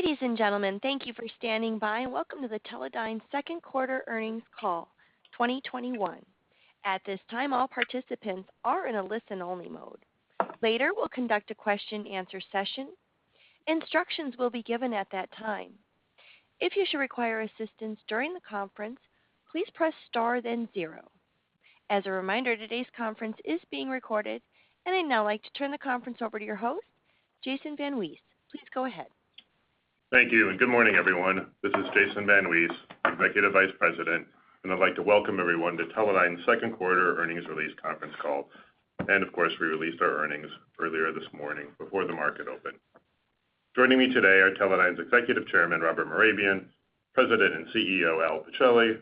Ladies and gentlemen, thank you for standing by and welcome to the Teledyne second quarter earnings call 2021. At this time, all participants are in a listen-only mode. Later, we'll conduct a question and answer session. Instructions will be given at that time. If you should require assistance during the conference, please press star then zero. As a reminder, today's conference is being recorded. I'd now like to turn the conference over to your host, Jason VanWees. Please go ahead. Thank you, good morning, everyone. This is Jason VanWees, Executive Vice President, and I'd like to welcome everyone to Teledyne Technologies' second quarter earnings release conference call. Of course, we released our earnings earlier this morning before the market opened. Joining me today are Teledyne Technologies' Executive Chairman, Robert Mehrabian, President and CEO, Al Pichelli,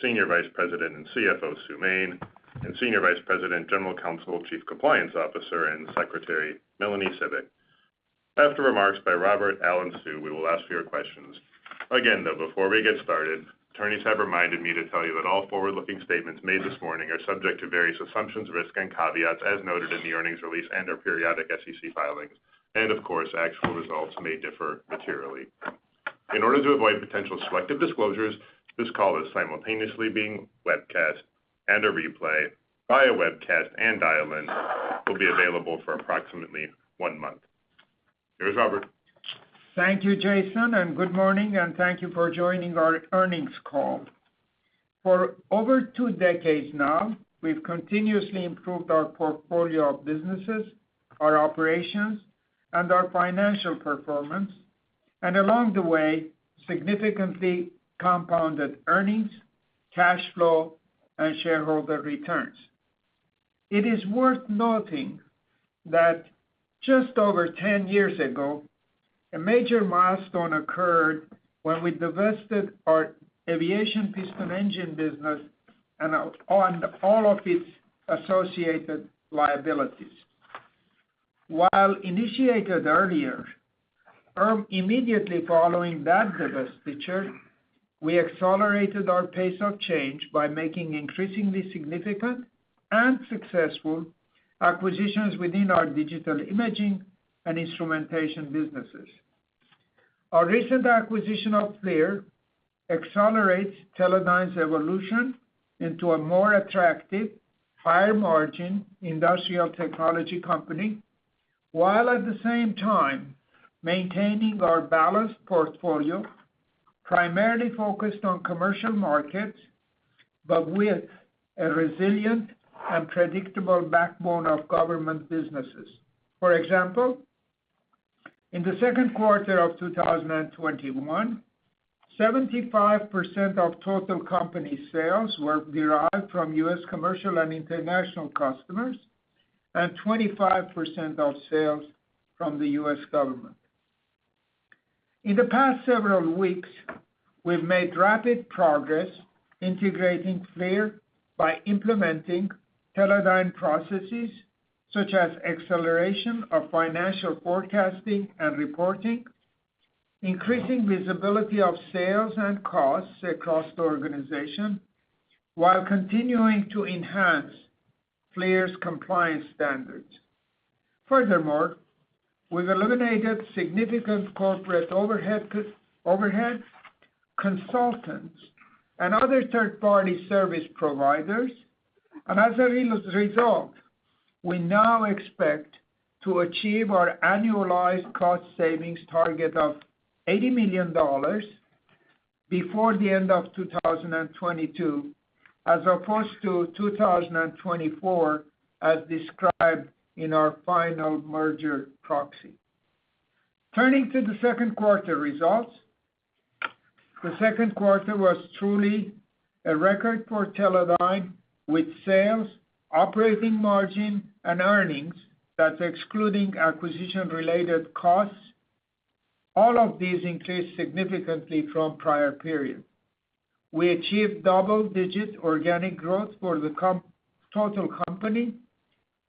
Senior Vice President and CFO, Sue Main, and Senior Vice President, General Counsel, Chief Compliance Officer, and Secretary, Melanie Cibik. After remarks by Robert, Al, and Sue, we will ask for your questions. Again, though, before we get started, attorneys have reminded me to tell you that all forward-looking statements made this morning are subject to various assumptions, risks, and caveats as noted in the earnings release and/or periodic SEC filings. Of course, actual results may differ materially. In order to avoid potential selective disclosures, this call is simultaneously being webcast, and a replay via webcast and dial-in will be available for approximately one month. Here's Robert. Thank you, Jason, and good morning, and thank you for joining our earnings call. For over two decades now, we've continuously improved our portfolio of businesses, our operations, and our financial performance, and along the way, significantly compounded earnings, cash flow, and shareholder returns. It is worth noting that just over 10 years ago, a major milestone occurred when we divested our aviation piston engine business and all of its associated liabilities. While initiated earlier, immediately following that divestiture, we accelerated our pace of change by making increasingly significant and successful acquisitions within our Digital Imaging and Instrumentation businesses. Our recent acquisition of FLIR accelerates Teledyne's evolution into a more attractive, higher-margin industrial technology company, while at the same time maintaining our balanced portfolio, primarily focused on commercial markets, but with a resilient and predictable backbone of government businesses. For example, in the second quarter of 2021, 75% of total company sales were derived from U.S. commercial and international customers, and 25% of sales from the U.S. government. In the past several weeks, we've made rapid progress integrating FLIR by implementing Teledyne processes such as acceleration of financial forecasting and reporting, increasing visibility of sales and costs across the organization, while continuing to enhance FLIR's compliance standards. Furthermore, we've eliminated significant corporate overhead, consultants, and other third-party service providers. As a result, we now expect to achieve our annualized cost savings target of $80 million before the end of 2022, as opposed to 2024, as described in our final merger proxy. Turning to the second quarter results, the second quarter was truly a record for Teledyne, with sales, operating margin, and earnings, that's excluding acquisition-related costs, all of these increased significantly from prior periods. We achieved double-digit organic growth for the total company,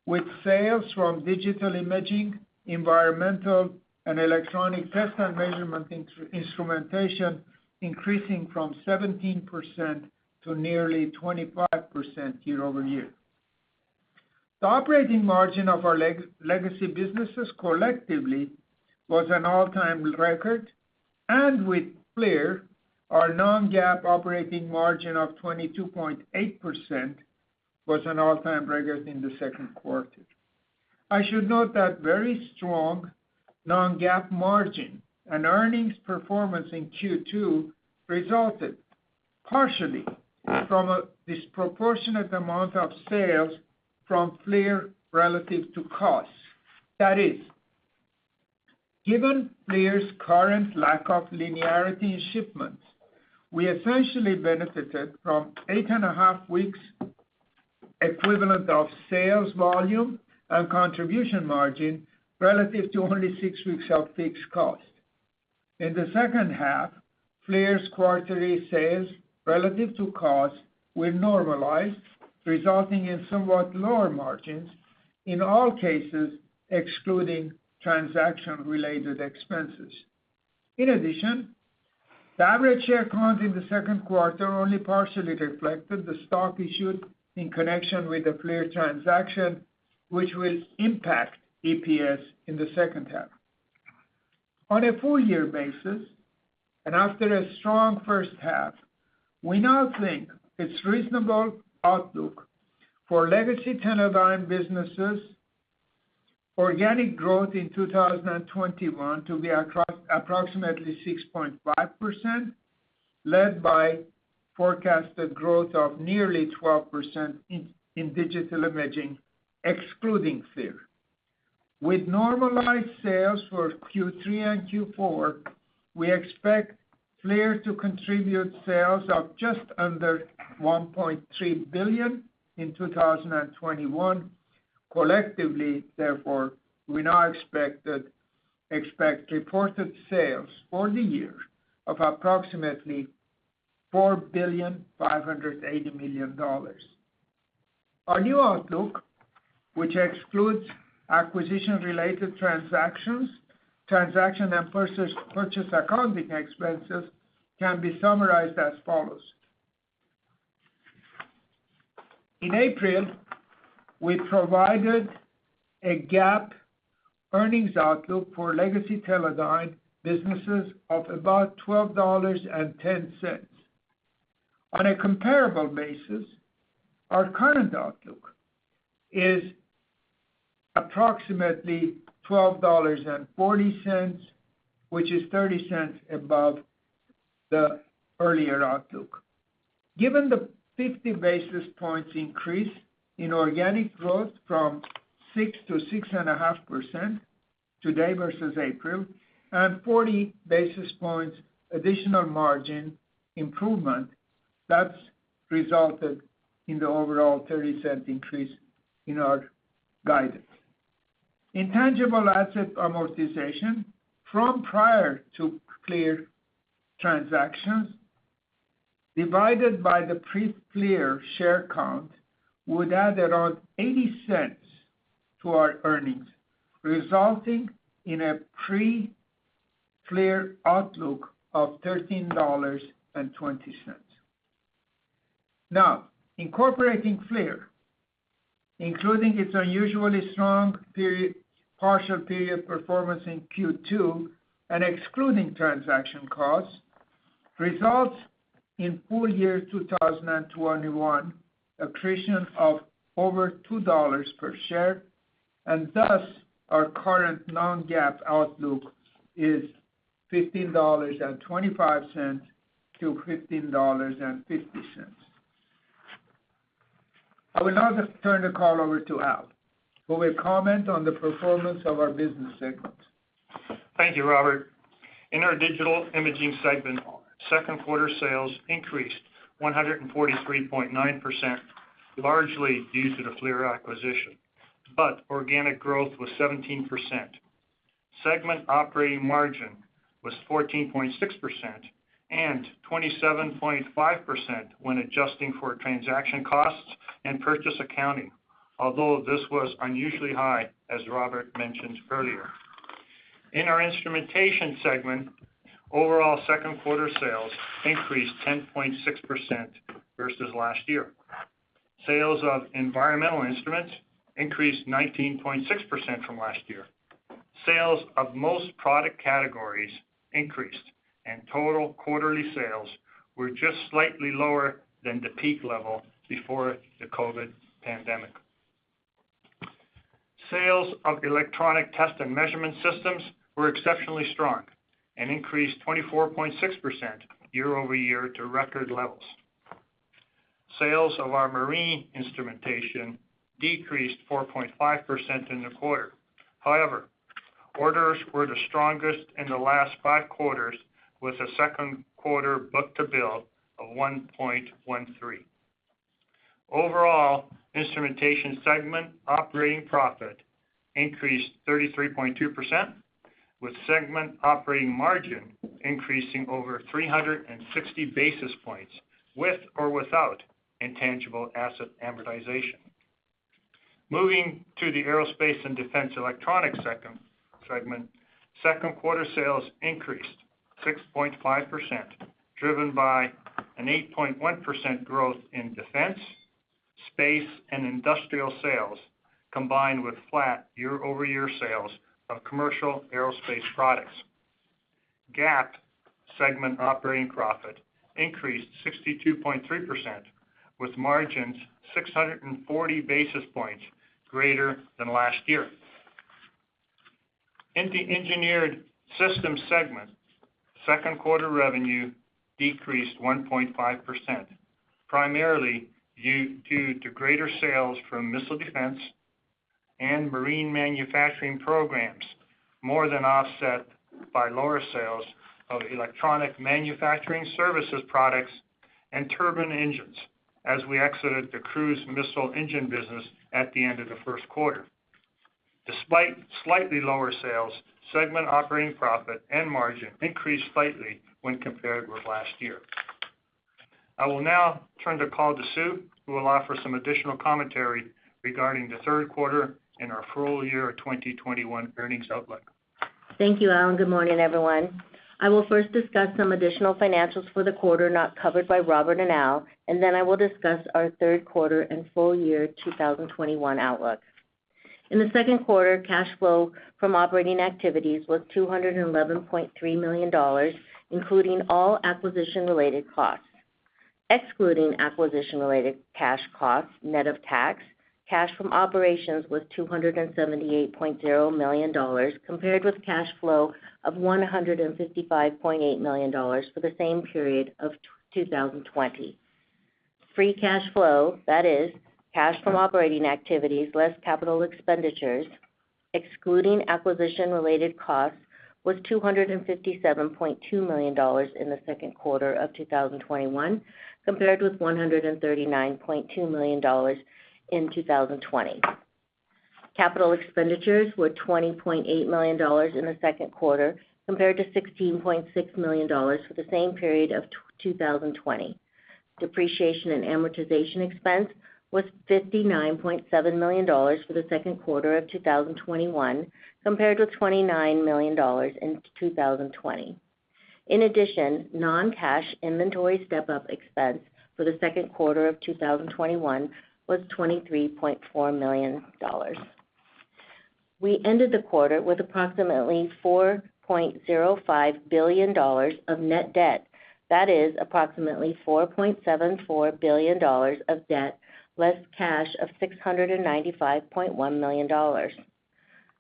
with sales from digital imaging, environmental, and electronic test and measurement instrumentation increasing from 17% to nearly 25% year-over-year. The operating margin of our legacy businesses collectively was an all-time record, and with FLIR, our non-GAAP operating margin of 22.8% was an all-time record in the second quarter. I should note that very strong non-GAAP margin and earnings performance in Q2 resulted partially from a disproportionate amount of sales from FLIR relative to costs. That is, given FLIR's current lack of linearity in shipments, we essentially benefited from eight and a half weeks equivalent of sales volume and contribution margin relative to only six weeks of fixed cost. In the second half, FLIR's quarterly sales relative to costs were normalized, resulting in somewhat lower margins, in all cases excluding transaction-related expenses. In addition, the average share count in the second quarter only partially reflected the stock issued in connection with the FLIR transaction, which will impact EPS in the second half. After a strong first half, we now think it's reasonable outlook for legacy Teledyne businesses organic growth in 2021 to be approximately 6.5%, led by forecasted growth of nearly 12% in digital imaging, excluding FLIR. With normalized sales for Q3 and Q4, we expect FLIR to contribute sales of just under $1.3 billion in 2021. Collectively, therefore, we now expect reported sales for the year of approximately $4.58 billion. Our new outlook, which excludes acquisition-related transactions, transaction and purchase accounting expenses, can be summarized as follows. In April, we provided a GAAP earnings outlook for legacy Teledyne businesses of about $12.10. On a comparable basis, our current outlook is approximately $12.40, which is $0.30 above the earlier outlook. Given the 50 basis points increase in organic growth from 6%-6.5% today versus April, and 40 basis points additional margin improvement, that's resulted in the overall $0.30 increase in our guidance. Intangible asset amortization from prior to FLIR transactions, divided by the pre-FLIR share count, would add around $0.80 to our earnings, resulting in a pre-FLIR outlook of $13.20. Now, incorporating FLIR, including its unusually strong partial period performance in Q2 and excluding transaction costs, results in full year 2021 accretion of over $2 per share, and thus, our current non-GAAP outlook is $15.25-$15.50. I will now just turn the call over to Al, who will comment on the performance of our business segments. Thank you, Robert. In our Digital Imaging segment, second quarter sales increased 143.9%, largely due to the FLIR acquisition. Organic growth was 17%. Segment operating margin was 14.6% and 27.5% when adjusting for transaction costs and purchase accounting, although this was unusually high, as Robert mentioned earlier. In our Instrumentation segment, overall second quarter sales increased 10.6% versus last year. Sales of environmental instruments increased 19.6% from last year. Sales of most product categories increased, and total quarterly sales were just slightly lower than the peak level before the COVID pandemic. Sales of electronic test and measurement systems were exceptionally strong and increased 24.6% year-over-year to record levels. Sales of our marine instrumentation decreased 4.5% in the quarter. However, orders were the strongest in the last five quarters, with a second quarter book-to-bill of 1.13. Overall, Instrumentation segment operating profit increased 33.2%, with segment operating margin increasing over 360 basis points, with or without intangible asset amortization. Moving to the Aerospace and Defense Electronics segment, second quarter sales increased 6.5%, driven by an 8.1% growth in defense, space and industrial sales, combined with flat year-over-year sales of commercial aerospace products. GAAP segment operating profit increased 62.3%, with margins 640 basis points greater than last year. In the Engineered Systems segment, second quarter revenue decreased 1.5%, primarily due to greater sales from missile defense and marine manufacturing programs, more than offset by lower sales of electronic manufacturing services products and turbine engines as we exited the cruise missile engine business at the end of the first quarter. Despite slightly lower sales, segment operating profit and margin increased slightly when compared with last year. I will now turn the call to Sue, who will offer some additional commentary regarding the third quarter and our full year 2021 earnings outlook. Thank you, Al, and good morning, everyone. I will first discuss some additional financials for the quarter not covered by Robert and Al, and then I will discuss our third quarter and full year 2021 outlook. In the second quarter, cash flow from operating activities was $211.3 million, including all acquisition-related costs. Excluding acquisition-related cash costs net of tax, cash from operations was $278.0 million, compared with cash flow of $155.8 million for the same period of 2020. Free cash flow, that is, cash from operating activities, less capital expenditures, excluding acquisition-related costs, was $257.2 million in the second quarter of 2021, compared with $139.2 million in 2020. Capital expenditures were $20.8 million in the second quarter, compared to $16.6 million for the same period of 2020. Depreciation and amortization expense was $59.7 million for the second quarter of 2021, compared with $29 million in 2020. In addition, non-cash inventory step-up expense for the second quarter of 2021 was $23.4 million. We ended the quarter with approximately $4.05 billion of net debt. That is approximately $4.74 billion of debt, less cash of $695.1 million.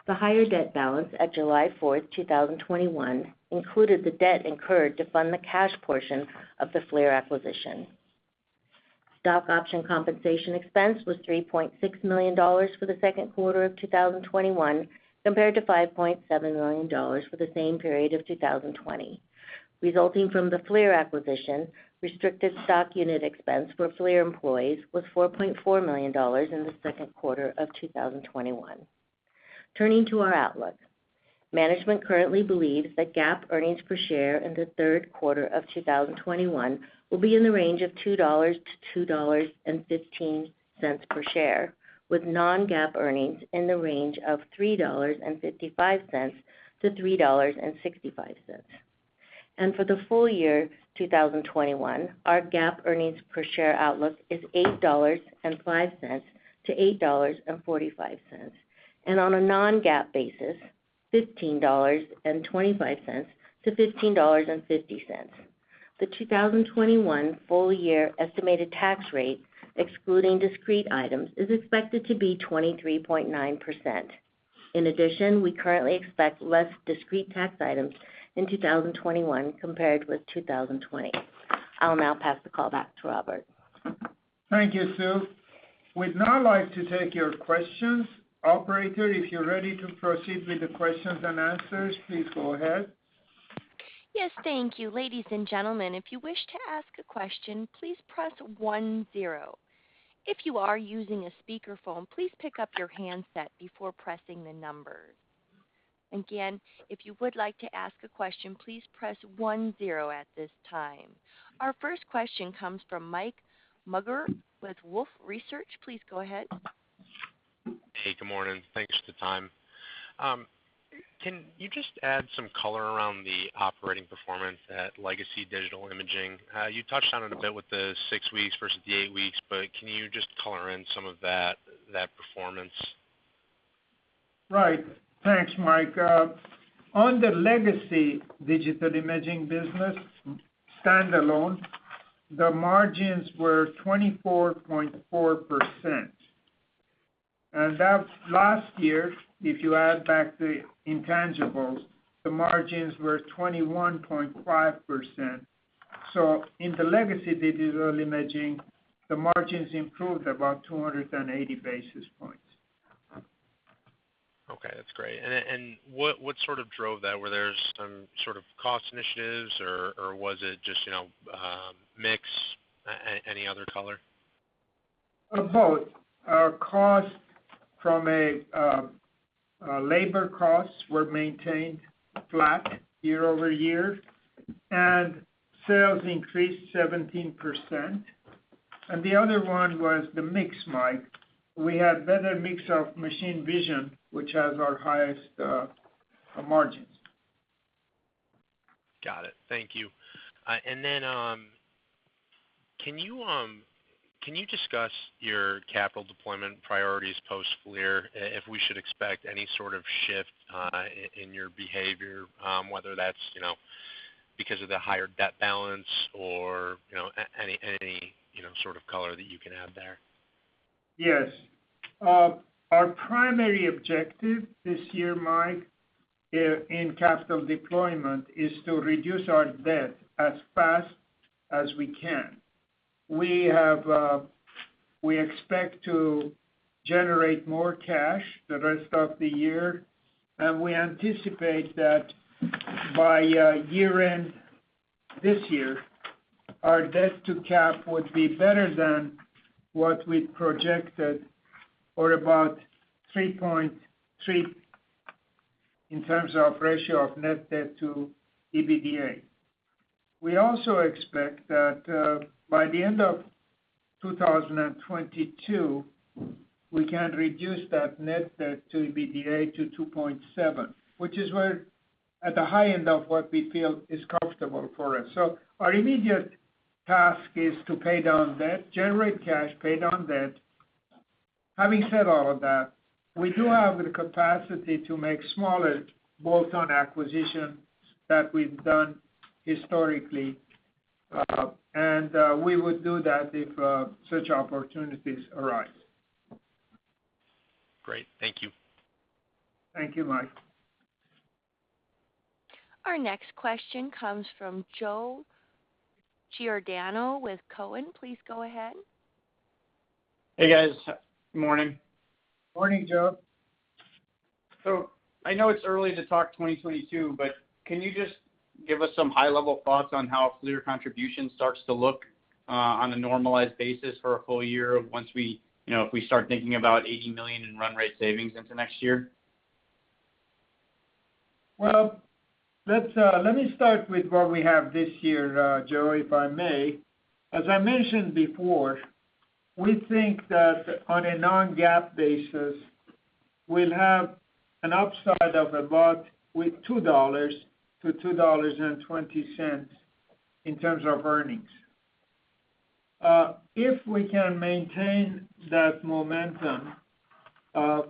The higher debt balance at July 4th, 2021, included the debt incurred to fund the cash portion of the FLIR acquisition. Stock option compensation expense was $3.6 million for the second quarter of 2021, compared to $5.7 million for the same period of 2020. Resulting from the FLIR acquisition, restricted stock unit expense for FLIR employees was $4.4 million in the second quarter of 2021. Turning to our outlook. Management currently believes that GAAP earnings per share in the third quarter of 2021 will be in the range of $2-$2.15 per share, with non-GAAP earnings in the range of $3.55-$3.65. For the full year 2021, our GAAP earnings per share outlook is $8.05-$8.45. On a non-GAAP basis, $15.25-$15.50. The 2021 full-year estimated tax rate, excluding discrete items, is expected to be 23.9%. In addition, we currently expect less discrete tax items in 2021 compared with 2020. I'll now pass the call back to Robert. Thank you, Sue. We'd now like to take your questions. Operator, if you're ready to proceed with the questions and answers, please go ahead. Yes, thank you. Ladies and gentlemen, if you wish to ask a question, please press one zero. If you are using a speaker phone, please pick up your handset before pressing the number. Again, if you'd like to ask a question, please press one zero at this time. Our first question comes from Mike Maugeri with Wolfe Research. Please go ahead. Hey, good morning. Thanks for the time. Can you just add some color around the operating performance at legacy digital imaging? You touched on it a bit with the six weeks versus the eight weeks, but can you just color in some of that performance? Right. Thanks, Mike. On the legacy Digital Imaging business, standalone, the margins were 24.4%. That last year, if you add back the intangibles, the margins were 21.5%. In the legacy Digital Imaging, the margins improved about 280 basis points. Okay, that's great. What sort of drove that? Were there some sort of cost initiatives, or was it just mix? Any other color? Both. Our costs from a labor costs were maintained flat year-over-year, and sales increased 17%. The other one was the mix, Mike. We had better mix of machine vision, which has our highest margins. Got it. Thank you. Can you discuss your capital deployment priorities post-FLIR, if we should expect any sort of shift in your behavior, whether that's because of the higher debt balance or any sort of color that you can add there? Yes. Our primary objective this year, Mike, in capital deployment, is to reduce our debt as fast as we can. We expect to generate more cash the rest of the year, and we anticipate that by year-end this year, our debt to cap would be better than what we projected, or about 3.3. In terms of ratio of net debt to EBITDA. We also expect that by the end of 2022, we can reduce that net debt to EBITDA to 2.7, which is at the high end of what we feel is comfortable for us. Our immediate task is to generate cash, pay down debt. Having said all of that, we do have the capacity to make smaller bolt-on acquisitions that we've done historically, and we would do that if such opportunities arise. Great. Thank you. Thank you, Mike. Our next question comes from Joe Giordano with Cowen. Please go ahead. Hey, guys. Morning. Morning, Joe. I know it's early to talk 2022, but can you just give us some high-level thoughts on how FLIR contribution starts to look on a normalized basis for a full year if we start thinking about $80 million in run rate savings into next year? Well, let me start with what we have this year, Joe, if I may. As I mentioned before, we think that on a non-GAAP basis, we'll have an upside of about with $2-$2.20 in terms of earnings. If we can maintain that momentum,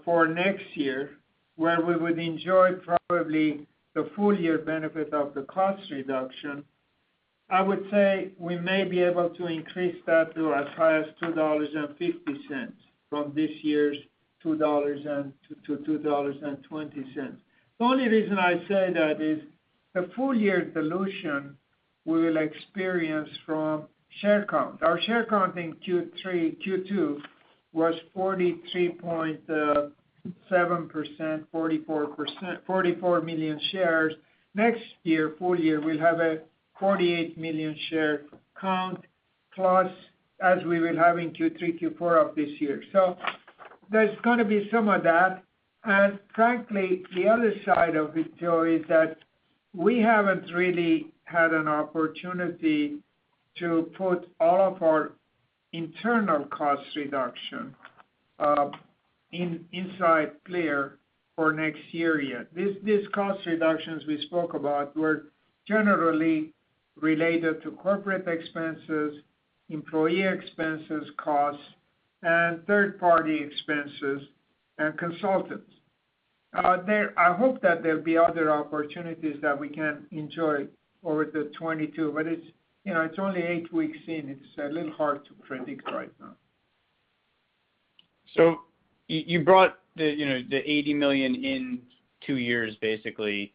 for next year, where we would enjoy probably the full year benefit of the cost reduction, I would say we may be able to increase that to as high as $2.50 from this year's $2-$2.20. The only reason I say that is the full-year dilution we will experience from share count. Our share count in Q2 was 43.7%, 44 million shares. Next year, full year, we'll have a 48 million share count plus as we will have in Q3, Q4 of this year. There's going to be some of that. Frankly, the other side of it, Joe, is that we haven't really had an opportunity to put all of our internal cost reduction inside FLIR for next year yet. These cost reductions we spoke about were generally related to corporate expenses, employee expenses costs, and third-party expenses and consultants. I hope that there'll be other opportunities that we can enjoy over the 2022. It's only eight weeks in. It's a little hard to predict right now. You brought the $80 million in two years, basically.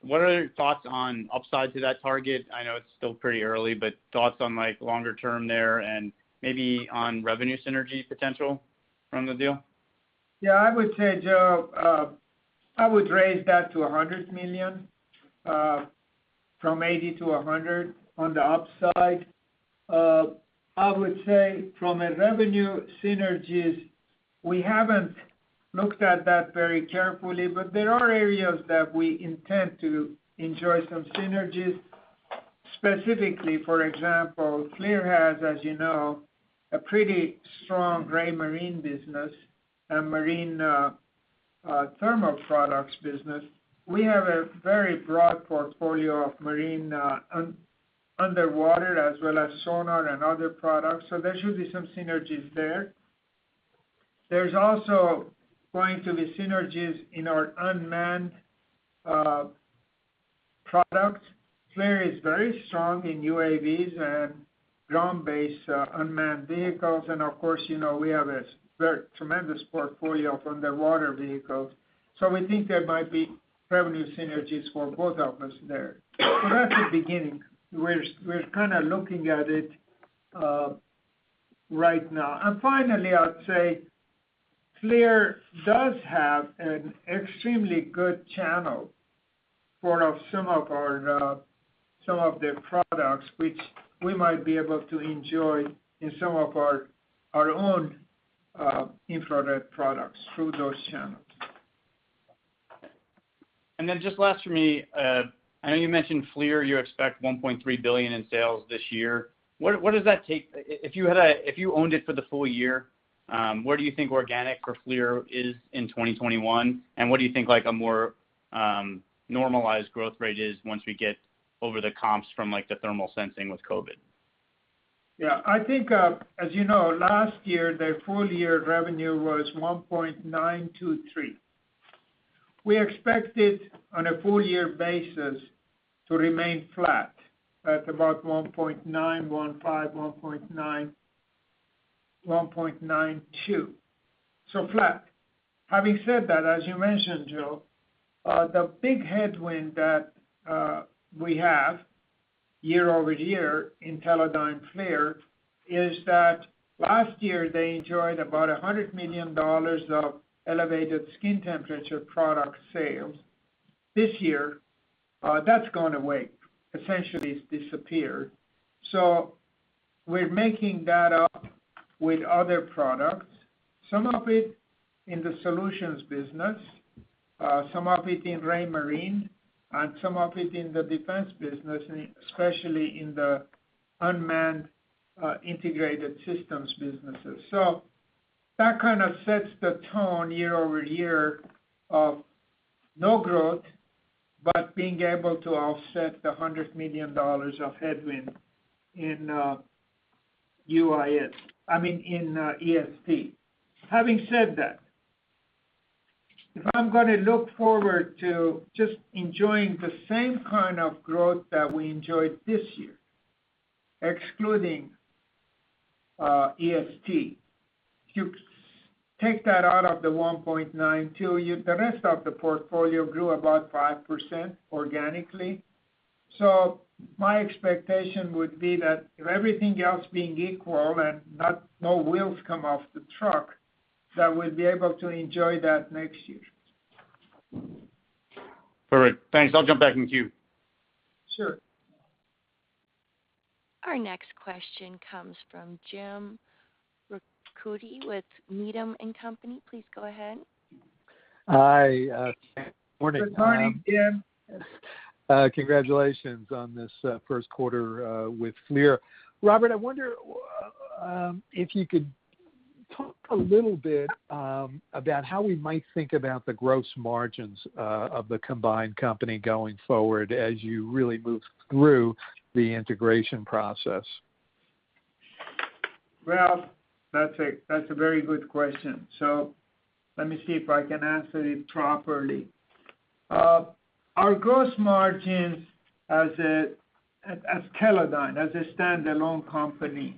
What are your thoughts on upside to that target? I know it's still pretty early, but thoughts on longer-term there and maybe on revenue synergy potential from the deal? Yeah, I would say, Joe, I would raise that to $100 million, from $80-$100 on the upside. I would say from a revenue synergies, we haven't looked at that very carefully. There are areas that we intend to enjoy some synergies. Specifically, for example, FLIR has, as you know, a pretty strong Raymarine business and marine thermal products business. We have a very broad portfolio of marine underwater as well as sonar and other products. There should be some synergies there. There's also going to be synergies in our unmanned product. FLIR is very strong in UAVs and ground-based unmanned vehicles. Of course, we have a very tremendous portfolio for underwater vehicles. We think there might be revenue synergies for both of us there. That's the beginning. We're kind of looking at it right now. Finally, I would say FLIR does have an extremely good channel for some of their products, which we might be able to enjoy in some of our own infrared products through those channels. Just last from me, I know you mentioned FLIR, you expect $1.3 billion in sales this year. If you owned it for the full year, where do you think organic for FLIR is in 2021, and what do you think a more normalized growth rate is once we get over the comps from the thermal sensing with COVID? I think, as you know, last year, their full year revenue was $1.923. We expect it, on a full year basis, to remain flat at about $1.915, $1.92. Flat. Having said that, as you mentioned, Joe, the big headwind that we have year-over-year in Teledyne FLIR is that last year they enjoyed about $100 million of elevated skin temperature product sales. This year, that's gone away. Essentially, it's disappeared. We're making that up with other products, some of it in the solutions business, some of it in Raymarine, and some of it in the defense business, especially in the unmanned integrated systems businesses. That kind of sets the tone year-over-year of no growth, but being able to offset the $100 million of headwind in UIS, I mean, in EST. Having said that, if I'm going to look forward to just enjoying the same kind of growth that we enjoyed this year, excluding EST, you take that out of the $1.92, the rest of the portfolio grew about 5% organically. My expectation would be that if everything else being equal and no wheels come off the truck, that we'll be able to enjoy that next year. Perfect. Thanks. I'll jump back in queue. Sure. Our next question comes from Jim Ricchiuti with Needham & Company. Please go ahead. Hi, good morning. Good morning, Jim. Congratulations on this first quarter with FLIR. Robert, I wonder if you could talk a little bit about how we might think about the gross margins of the combined company going forward as you really move through the integration process. Well, that's a very good question. Let me see if I can answer it properly. Our gross margins as Teledyne, as a standalone company,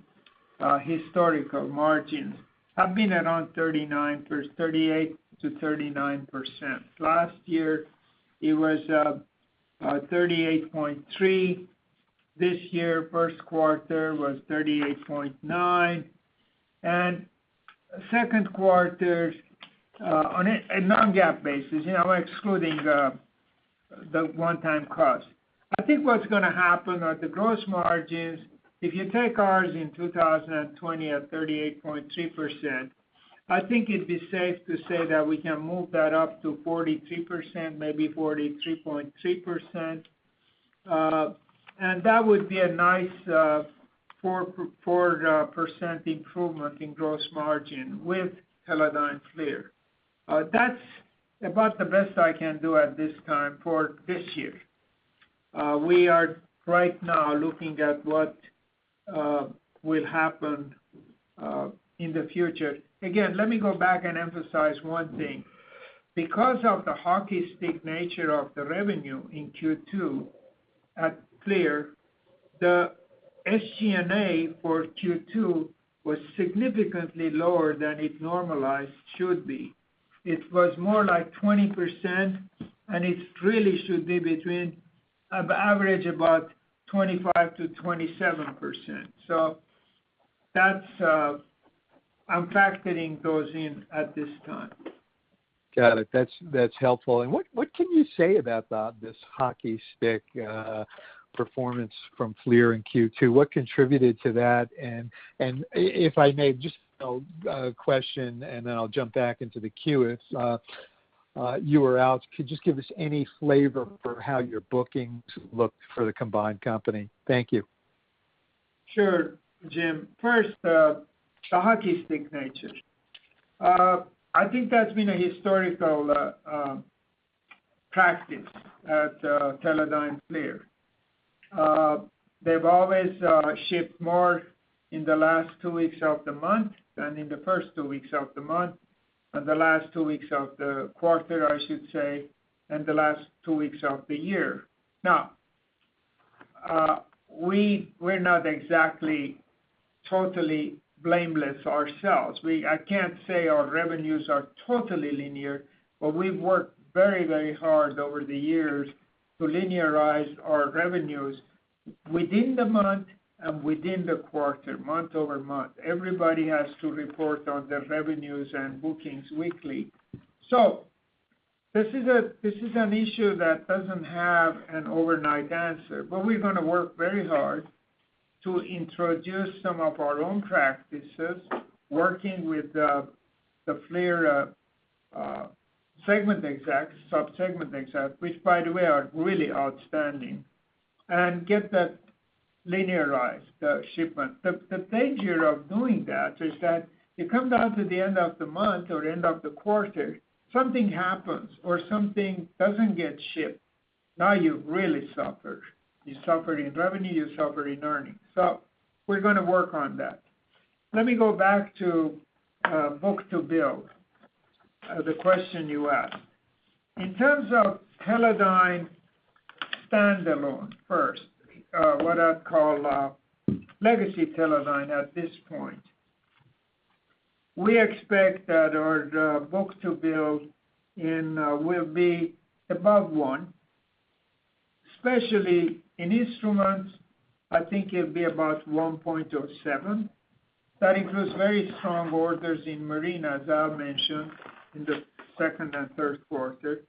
historical margins have been around 38%-39%. Last year, it was 38.3%. This year, first quarter was 38.9% and second quarter on a non-GAAP basis, excluding the one-time cost. I think what's going to happen at the gross margins, if you take ours in 2020 at 38.3%, I think it'd be safe to say that we can move that up to 43%, maybe 43.3%. That would be a nice 4% improvement in gross margin with Teledyne FLIR. That's about the best I can do at this time for this year. We are right now looking at what will happen in the future. Again, let me go back and emphasize one thing. Because of the hockey stick nature of the revenue in Q2 at FLIR, the SG&A for Q2 was significantly lower than it normalized should be. It was more like 20%, and it really should be between an average about 25%-27%. I'm factoring those in at this time. Got it. That's helpful. What can you say about this hockey stick performance from FLIR in Q2? What contributed to that? If I may, just a question, then I'll jump back into the queue. Could you just give us any flavor for how your bookings look for the combined company? Thank you. Sure, Jim. First, the hockey stick nature. I think that's been a historical practice at Teledyne FLIR. They've always shipped more in the last two weeks of the month than in the first two weeks of the month, and the last two weeks of the quarter, I should say, and the last two weeks of the year. We're not exactly totally blameless ourselves. I can't say our revenues are totally linear, but we've worked very hard over the years to linearize our revenues within the month and within the quarter, month-over-month. Everybody has to report on their revenues and bookings weekly. This is an issue that doesn't have an overnight answer, but we're going to work very hard to introduce some of our own practices, working with the FLIR segment execs, sub-segment execs, which by the way, are really outstanding, and get that linearized, the shipment. The danger of doing that is that you come down to the end of the month or end of the quarter, something happens or something doesn't get shipped. Now you really suffer. You suffer in revenue, you suffer in earnings. We're going to work on that. Let me go back to book-to-bill, the question you asked. In terms of Teledyne standalone first, what I'd call legacy Teledyne at this point. We expect that our book-to-bill will be above one, especially in instruments, I think it'll be about 1.07. That includes very strong orders in Marine, as I mentioned, in the second and third quarter.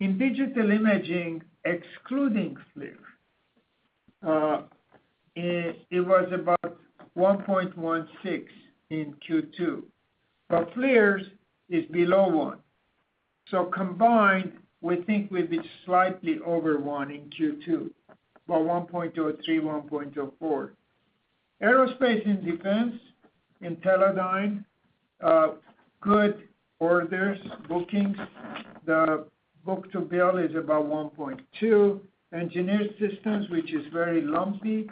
In digital imaging, excluding FLIR, it was about 1.16 in Q2. For FLIR, it's below one. Combined, we think we'll be slightly over one in Q2, about 1.03, 1.04. Aerospace and Defense in Teledyne, good orders, bookings. The book-to-bill is about 1.2. Engineered Systems, which is very lumpy,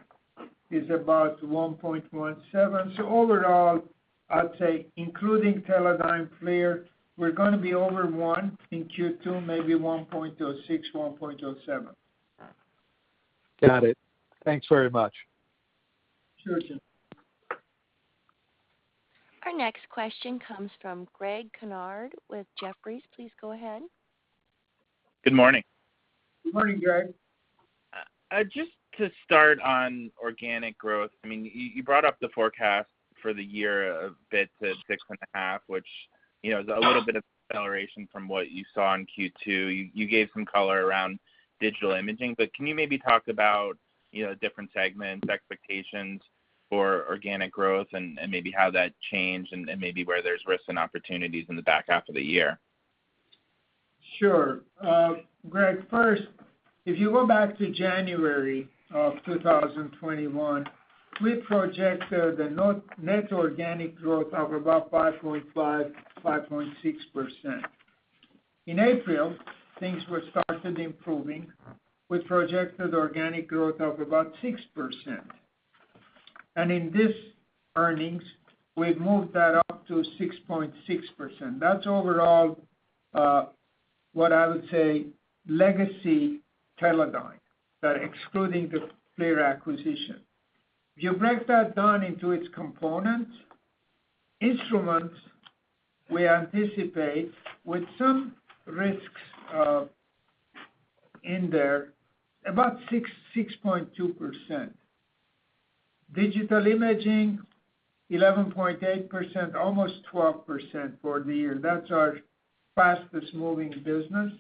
is about 1.17. Overall, I'd say including Teledyne FLIR, we're going to be over one in Q2, maybe 1.06, 1.07. Got it. Thanks very much. Sure thing. Our next question comes from Greg Konrad with Jefferies. Please go ahead. Good morning. Good morning, Greg. Just to start on organic growth. You brought up the forecast for the year a bit to 6.5%, which is a little bit of deceleration from what you saw in Q2. You gave some color around Digital Imaging, can you maybe talk about different segments, expectations for organic growth and maybe how that changed and maybe where there's risks and opportunities in the back half of the year? Sure. Greg, first, if you go back to January of 2021, we projected a net organic growth of about 5.5.6%. In April, things were starting improving. We projected organic growth of about 6%. In this earnings, we've moved that up to 6.6%. That's overall what I would say legacy Teledyne, that excluding the FLIR acquisition. If you break that down into its components, instruments, we anticipate with some risks in there, about 6.2%. digital imaging, 11.8%, almost 12% for the year. That's our fastest-moving business.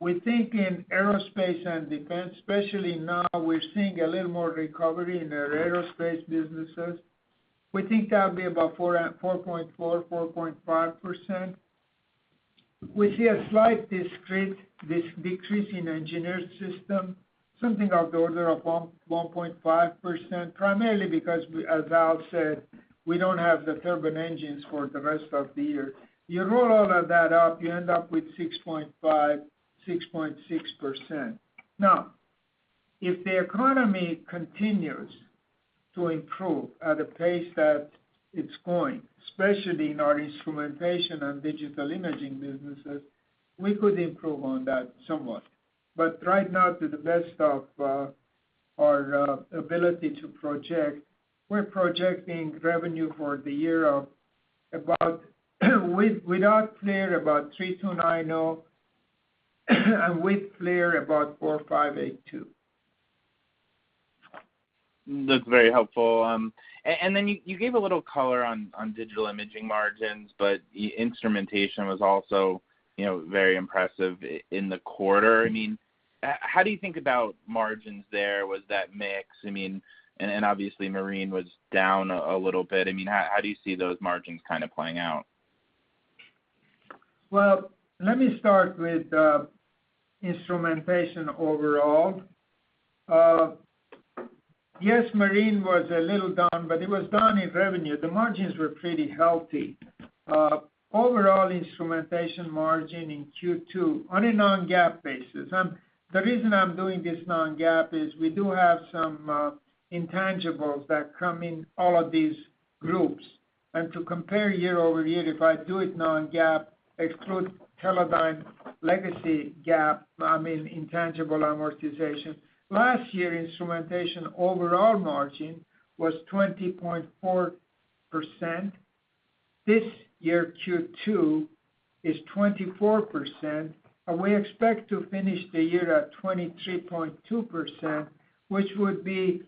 We think in aerospace and defense, especially now, we're seeing a little more recovery in our aerospace businesses. We think that'll be about 4.4.5%. We see a slight decrease in engineered system, something of the order of 1.5%, primarily because as Al said, we don't have the turbine engines for the rest of the year. You roll all of that up, you end up with 6.5%, 6.6%. If the economy continues to improve at a pace that it's going, especially in our instrumentation and digital imaging businesses, we could improve on that somewhat. Right now, to the best of our ability to project, we're projecting revenue for the year of about, without FLIR, about $3,290, and with FLIR, about $4,582. That's very helpful. You gave a little color on digital imaging margins, but the instrumentation was also very impressive in the quarter. How do you think about margins there? Was that mix? Obviously Marine was down a little bit. How do you see those margins kind of playing out? Well, let me start with Instrumentation overall. Yes, Marine was a little down, it was down in revenue. The margins were pretty healthy. Overall Instrumentation margin in Q2 on a non-GAAP basis, the reason I'm doing this non-GAAP is we do have some intangibles that come in all of these groups. To compare year-over-year, if I do it non-GAAP, exclude Teledyne legacy GAAP, I mean intangible amortization. Last year, Instrumentation overall margin was 20.4%. This year, Q2 is 24%, we expect to finish the year at 23.2%, which would be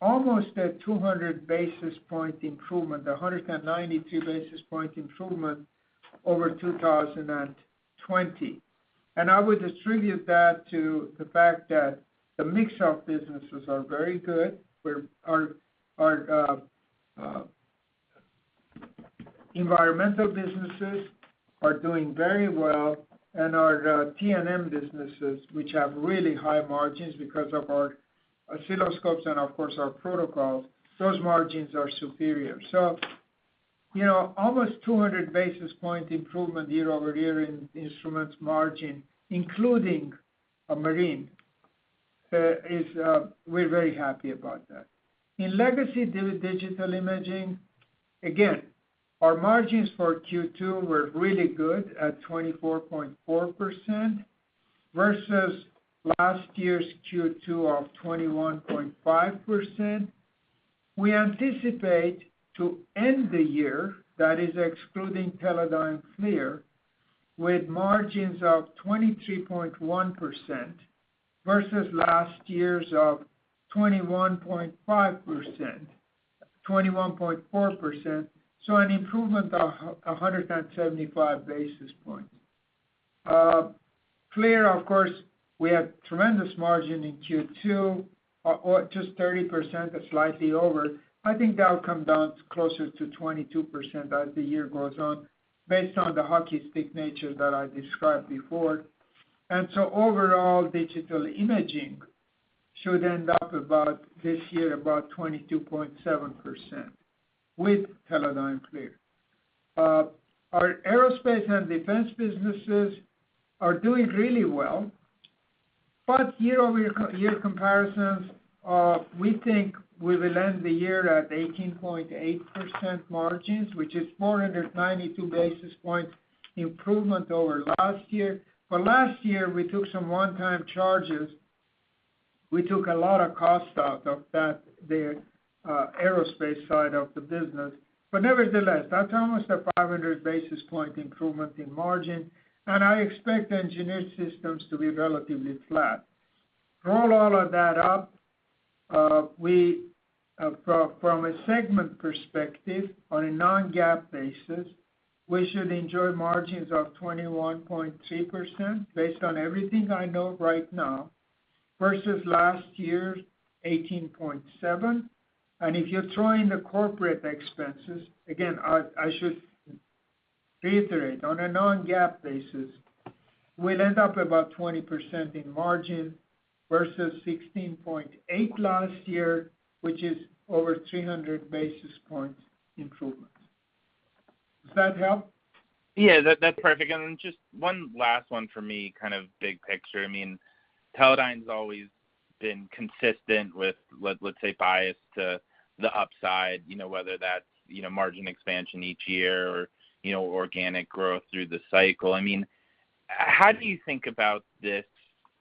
almost a 200-basis point improvement, 192-basis point improvement over 2020. I would attribute that to the fact that the mix of businesses are very good. Our environmental businesses are doing very well, our T&M businesses, which have really high margins because of our oscilloscopes and of course, our protocol analyzers, those margins are superior. Almost 200-basis point improvement year-over-year in instruments margin, including Marine. We're very happy about that. In legacy digital imaging, again, our margins for Q2 were really good at 24.4% versus last year's Q2 of 21.5%. We anticipate to end the year, that is excluding Teledyne FLIR, with margins of 23.1% versus last year's of 21.4%, so an improvement of 175 basis points. FLIR, of course, we had tremendous margin in Q2, just 30%, but slightly over. I think that'll come down closer to 22% as the year goes on based on the hockey stick nature that I described before. Overall, digital imaging should end up about, this year, about 22.7% with Teledyne FLIR. Our aerospace and defense businesses are doing really well, but year-over-year comparisons, we think we will end the year at 18.8% margins, which is 492 basis points improvement over last year. Last year, we took some one-time charges. We took a lot of cost out of the aerospace side of the business. Nevertheless, that's almost a 500 basis point improvement in margin, and I expect the engineered systems to be relatively flat. Roll all of that up, from a segment perspective, on a non-GAAP basis, we should enjoy margins of 21.3% based on everything I know right now, versus last year's 18.7%. If you throw in the corporate expenses, again, I should reiterate, on a non-GAAP basis, we'll end up about 20% in margin versus 16.8% last year, which is over 300 basis points improvement. Does that help? Yeah. That's perfect. Just one last one for me, kind of big picture. Teledyne's always been consistent with, let's say, biased to the upside, whether that's margin expansion each year or organic growth through the cycle. How do you think about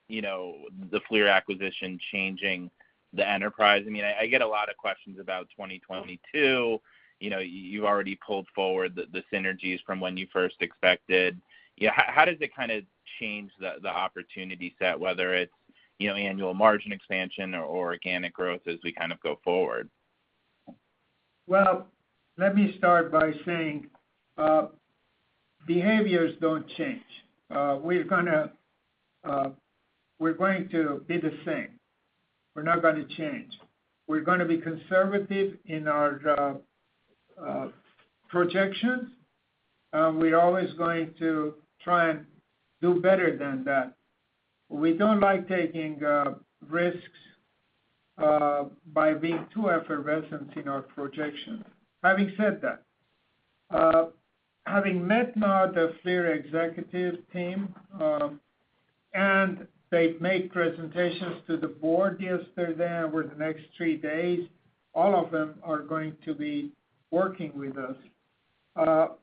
the FLIR acquisition changing the enterprise? I get a lot of questions about 2022. You've already pulled forward the synergies from when you first expected. Yeah, how does it change the opportunity set, whether it's annual margin expansion or organic growth as we go forward? Well, let me start by saying behaviors don't change. We're going to be the same. We're not going to change. We're going to be conservative in our projections. We're always going to try and do better than that. We don't like taking risks by being too effervescent in our projections. Having said that, having met now the FLIR executive team, and they've made presentations to the board yesterday, and over the next three days, all of them are going to be working with us.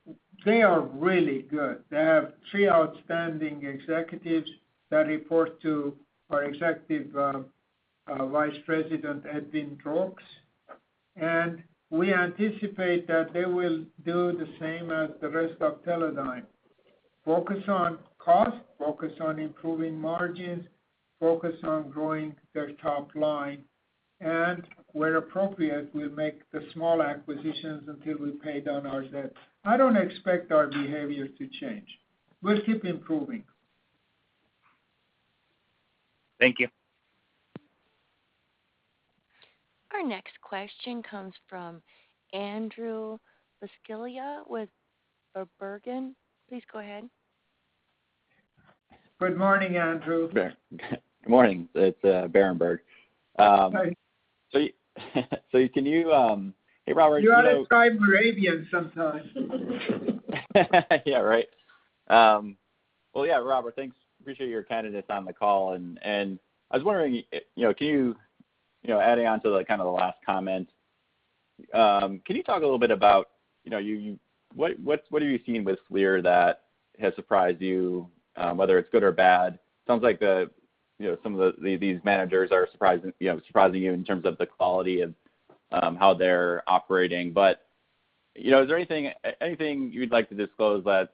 They are really good. They have three outstanding executives that report to our Executive Vice President, Edwin Roks. We anticipate that they will do the same as the rest of Teledyne, focus on cost, focus on improving margins, focus on growing their top line, and where appropriate, we'll make the small acquisitions until we pay down our debt. I don't expect our behavior to change. We'll keep improving. Thank you. Our next question comes from Andrew Buscaglia with Berenberg. Please go ahead. Good morning, Andrew. Good morning. It's Berenberg. Sorry. Hey, Robert. You ought to try Mehrabian sometimes. Yeah, right. Well, yeah, Robert, thanks. Appreciate your candidness on the call. I was wondering, adding on to the last comment, can you talk a little bit about what are you seeing with FLIR that has surprised you, whether it's good or bad? Sounds like some of these managers are surprising you in terms of the quality of how they're operating. Is there anything you'd like to disclose that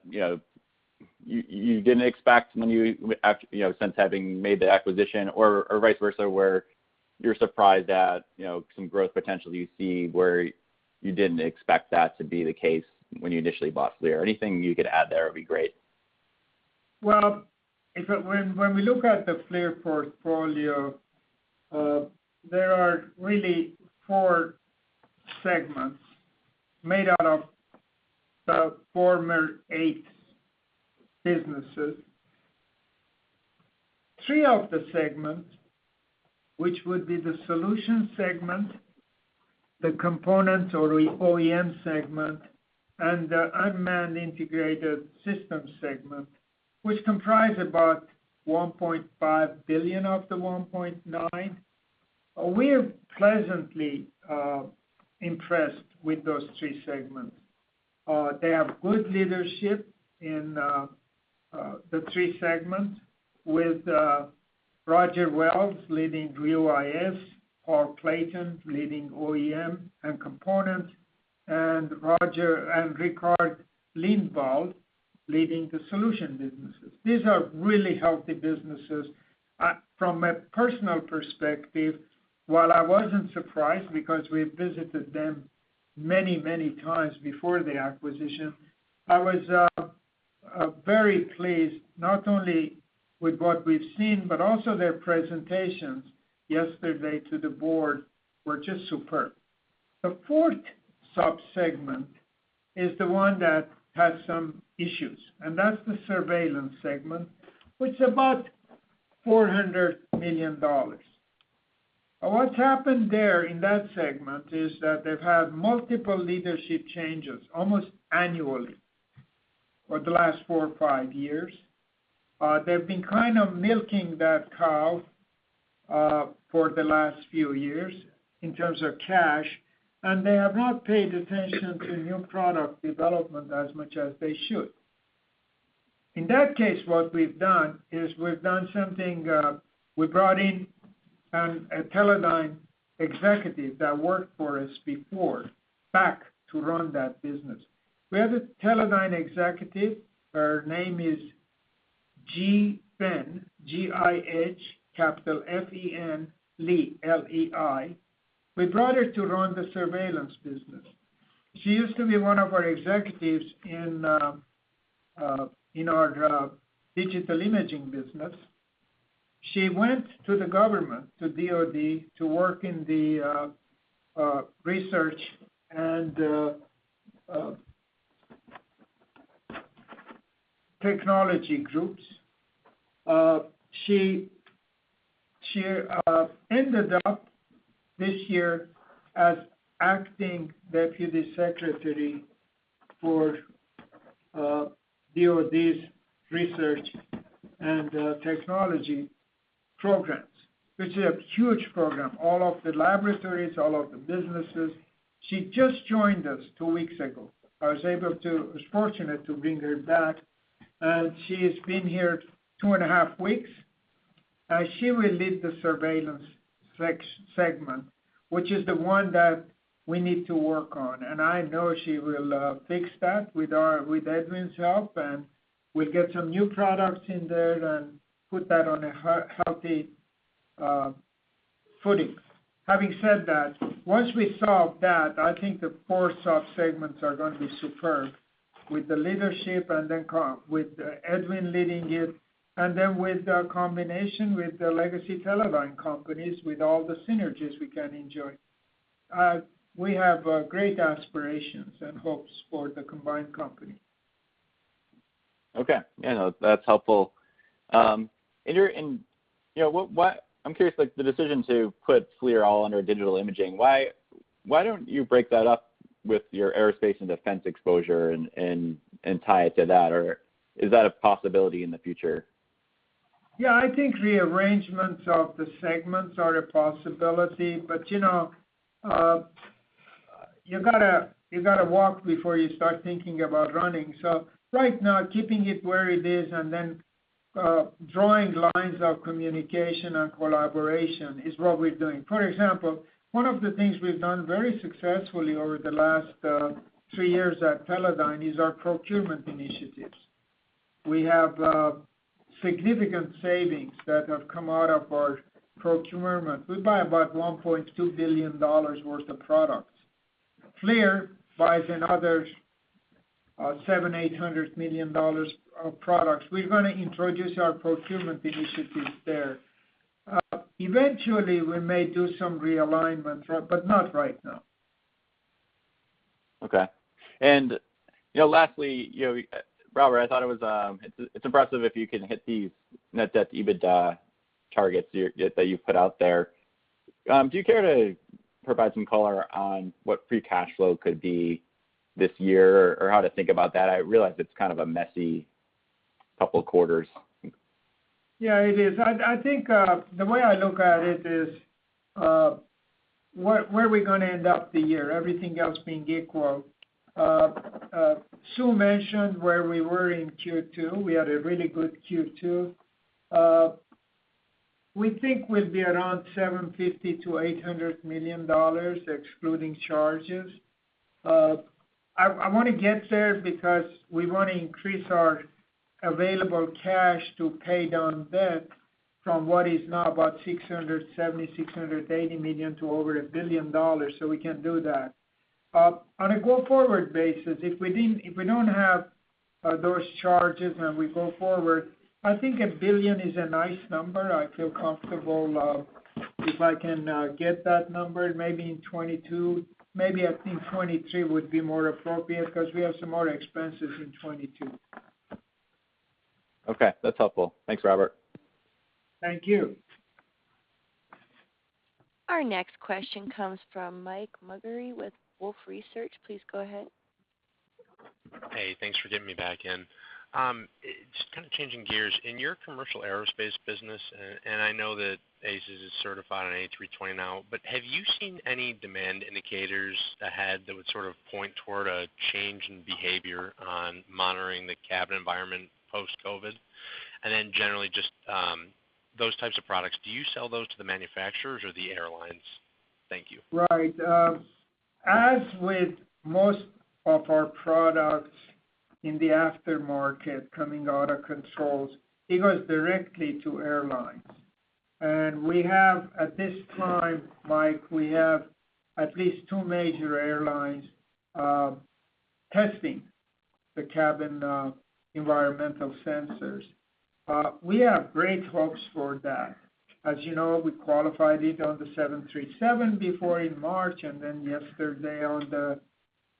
you didn't expect since having made the acquisition? Vice versa, where you're surprised at some growth potential you see where you didn't expect that to be the case when you initially bought FLIR? Anything you could add there would be great. Well, when we look at the FLIR portfolio, there are really four segments made out of the former eight businesses. Three of the segments, which would be the Solutions segment, the Components or the OEM segment, and the Unmanned Integrated Systems segment, which comprise about $1.5 billion of the $1.9, we are pleasantly impressed with those three segments. They have good leadership in the three segments with Roger Wells leading UAS, Paul Clayton leading OEM and component, and Roger and Rickard Lindvall leading the Solutions businesses. These are really healthy businesses. From a personal perspective, while I wasn't surprised because we visited them many times before the acquisition, I was very pleased not only with what we've seen, but also their presentations yesterday to the board were just superb. The fourth sub-segment is the one that has some issues, and that's the Surveillance segment, which is about $400 million. What's happened there in that segment is that they've had multiple leadership changes almost annually over the last four or five years. They've been kind of milking that cow for the last few years in terms of cash, and they have not paid attention to new product development as much as they should. In that case, what we've done is we've brought in a Teledyne executive that worked for us before back to run that business. We have a Teledyne executive, her name is JihFen Lei, J-I-H, capital F-E-N, Lei, L-E-I. We brought her to run the surveillance business. She used to be one of our executives in our Digital Imaging business. She went to the government, to DoD, to work in the research and technology groups. She ended up this year as acting deputy secretary for DoD's research and technology programs, which is a huge program. All of the laboratories, all of the businesses. She just joined us two weeks ago. I was fortunate to bring her back, and she has been here two and a half weeks. She will lead the surveillance segment, which is the one that we need to work on. I know she will fix that with Edwin Roks's help, and we'll get some new products in there and put that on a healthy footing. Having said that, once we solve that, I think the four sub-segments are going to be superb with the leadership, then with Edwin Roks leading it, then with the combination with the legacy Teledyne companies, with all the synergies we can enjoy. We have great aspirations and hopes for the combined company. Okay. That's helpful. I'm curious, the decision to put FLIR all under digital imaging, why don't you break that up with your Aerospace and Defense exposure and tie it to that? Is that a possibility in the future? I think rearrangements of the segments are a possibility, but you gotta walk before you start thinking about running. Right now, keeping it where it is and then drawing lines of communication and collaboration is what we're doing. For example, one of the things we've done very successfully over the last three years at Teledyne is our procurement initiatives. We have significant savings that have come out of our procurement. We buy about $1.2 billion worth of products. FLIR buys another $700 million-$800 million of products. We're going to introduce our procurement initiatives there. Eventually, we may do some realignment, but not right now. Okay. Lastly, Robert, I thought it's impressive if you can hit these net debt EBITDA targets that you've put out there. Do you care to provide some color on what free cash flow could be this year or how to think about that? I realize it's kind of a messy couple of quarters. Yeah, it is. I think the way I look at it is, where are we going to end up the year, everything else being equal? Sue mentioned where we were in Q2. We had a really good Q2. We think we'll be around $750 million-$800 million, excluding charges. I want to get there because we want to increase our available cash to pay down debt from what is now about $670 million, $680 million to over $1 billion, so we can do that. On a go-forward basis, if we don't have those charges and we go forward, I think $1 billion is a nice number. I feel comfortable if I can get that number maybe in 2022. Maybe, I think 2023 would be more appropriate because we have some more expenses in 2022. Okay. That's helpful. Thanks, Robert. Thank you. Our next question comes from Mike Maugeri with Wolfe Research. Please go ahead. Hey, thanks for getting me back in. Just kind of changing gears. In your commercial aerospace business, I know that ACES is certified on A320 now, have you seen any demand indicators ahead that would sort of point toward a change in behavior on monitoring the cabin environment post-COVID? Then generally just those types of products, do you sell those to the manufacturers or the airlines? Thank you. Right. As with most of our products in the aftermarket coming out of controls, it goes directly to airlines. We have, at this time, Mike, we have at least two major airlines testing the cabin environmental sensors. We have great hopes for that. As you know, we qualified it on the 737 before in March, and then yesterday on the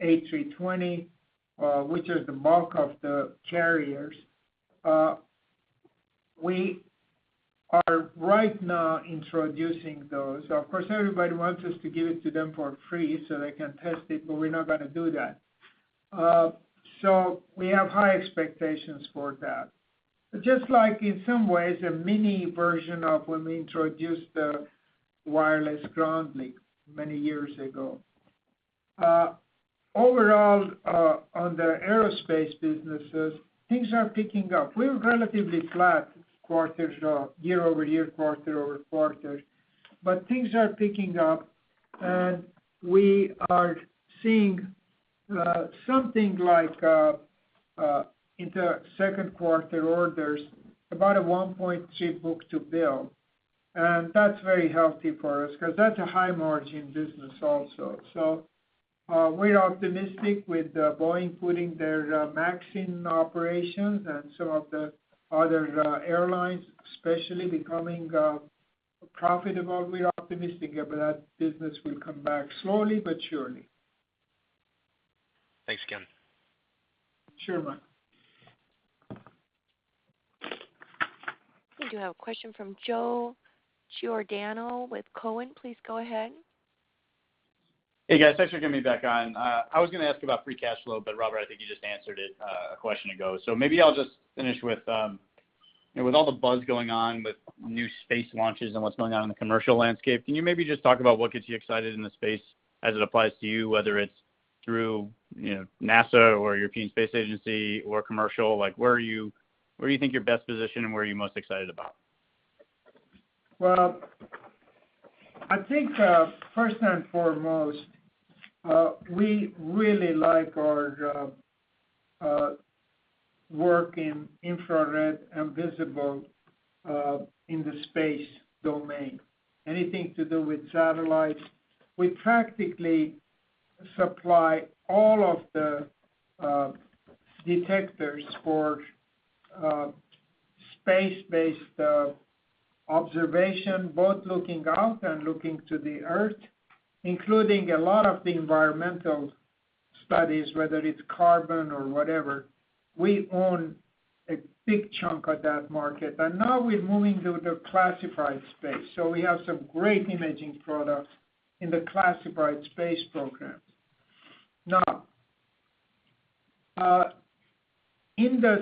A320, which is the bulk of the carriers. We are right now introducing those. Of course, everybody wants us to give it to them for free so they can test it, but we're not going to do that. We have high expectations for that. Just like, in some ways, a mini version of when we introduced the Wireless GroundLink many years ago. Overall, on the aerospace businesses, things are picking up. We were relatively flat quarter to year-over-year, quarter-over-quarter. Things are picking up and we are seeing something like, in the second quarter orders, about a 1.2 book-to-bill. That's very healthy for us because that's a high-margin business also. We're optimistic with Boeing putting their MAX in operations and some of the other airlines especially becoming profitable. We're optimistic that business will come back slowly but surely. Thanks again. Sure, Mike. We do have a question from Joe Giordano with Cowen. Please go ahead. Hey, guys. Thanks for getting me back on. I was going to ask about free cash flow. Robert, I think you just answered it a question ago. Maybe I'll just finish with all the buzz going on with new space launches and what's going on in the commercial landscape, can you maybe just talk about what gets you excited in the space as it applies to you, whether it's through NASA or European Space Agency or commercial, where are you think you're best positioned and where are you most excited about? I think first and foremost, we really like our work in infrared and visible in the space domain, anything to do with satellites. We practically supply all of the detectors for space-based observation, both looking out and looking to the Earth, including a lot of the environmental studies, whether it's carbon or whatever. We own a big chunk of that market. Now we're moving to the classified space. We have some great imaging products in the classified space programs. In the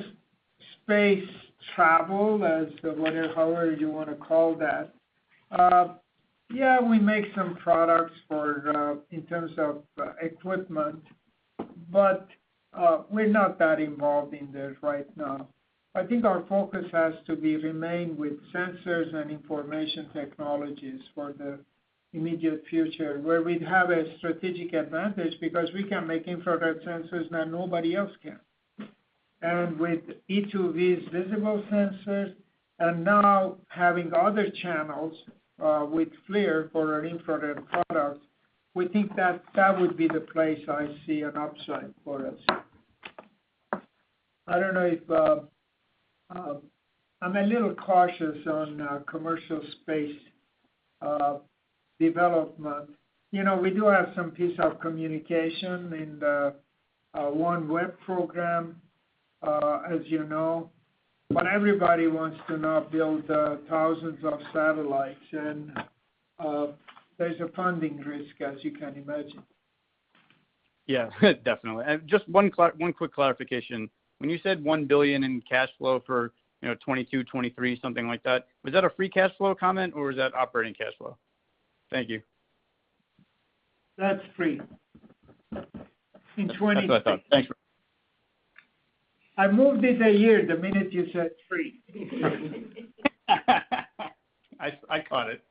space travel, as however you want to call that, yeah, we make some products in terms of equipment, but we're not that involved in this right now. I think our focus has to be remained with sensors and information technologies for the immediate future, where we'd have a strategic advantage because we can make infrared sensors that nobody else can. With each of these visible sensors and now having other channels with FLIR for our infrared products, we think that would be the place I see an upside for us. I'm a little cautious on commercial space development. We do have some piece of communication in the OneWeb program, as you know. Everybody wants to now build thousands of satellites, and there's a funding risk, as you can imagine. Yeah, definitely. Just one quick clarification. When you said $1 billion in cash flow for 2022, 2023, something like that, was that a free cash flow comment or was that operating cash flow? Thank you. That's free. In 2023. That's what I thought. Thanks. I moved it a year the minute you said free. I caught it.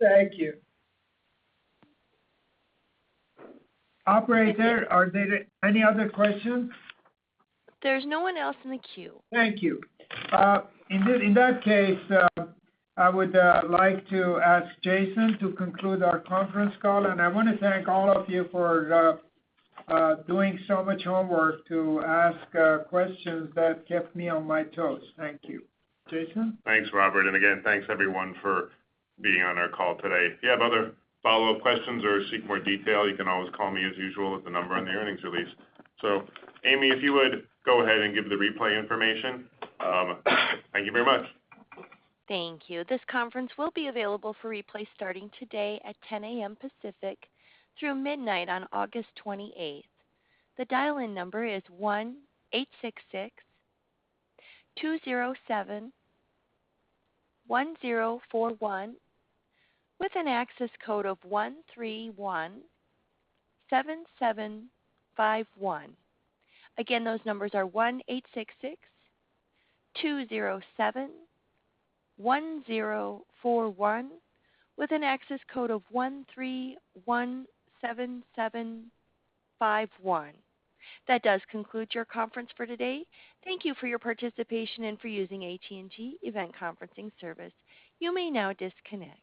Thank you. Operator, are there any other questions? There's no one else in the queue. Thank you. In that case, I would like to ask Jason to conclude our conference call, and I want to thank all of you for doing so much homework to ask questions that kept me on my toes. Thank you. Jason? Thanks, Robert. Again, thanks everyone for being on our call today. If you have other follow-up questions or seek more detail, you can always call me as usual at the number on the earnings release. Amy, if you would, go ahead and give the replay information. Thank you very much. Thank you. This conference will be available for replay starting today at 10:00 A.M. Pacific through midnight on August 28th. To dial a number is 1866-207-1041 with an acces code of 131-7751. Again, those number 1866-207-1041 with an access code 131-7751. That does conclude your conference for today. Thank you for your participation and for using AT&T Event Conferencing service. You may now disconnect.